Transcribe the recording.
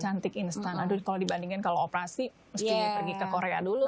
cantik instan aduh kalau dibandingkan kalau operasi mesti pergi ke korea dulu mungkin ya